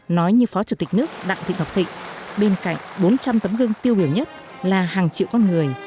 nói như phó chủ tịch nước đặng thị ngọc thịnh bên cạnh bốn trăm linh tấm gương tiêu biểu nhất là hàng triệu con người